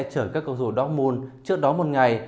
chở các cầu thủ dortmund trước đó một ngày